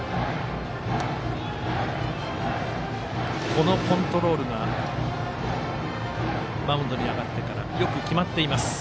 このコントロールがマウンドに上がってからよく決まっています。